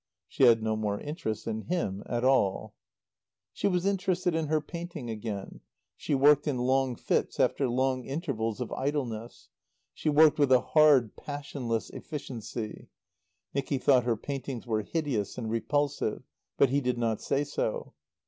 She had no more interest in him at all. She was interested in her painting again. She worked in long fits, after long intervals of idleness. She worked with a hard, passionless efficiency. Nicky thought her paintings were hideous and repulsive; but he did not say so.